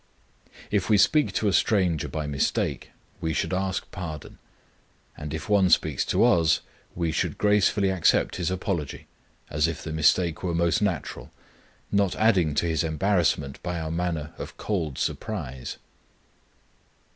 If we speak to a stranger by mistake, we should ask pardon; and if one speaks to us, we should gracefully accept his apology, as if the mistake were most natural, not adding to his embarrassment by our manner of cold surprise.